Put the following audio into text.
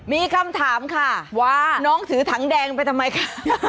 มีคำถามค่ะว่าน้องถือถังแดงไปทำไมคะ